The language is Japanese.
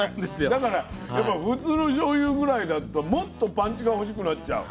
だから普通のしょうゆぐらいだともっとパンチが欲しくなっちゃう。